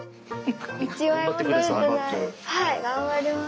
はい頑張ります。